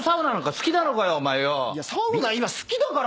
サウナ今好きだから。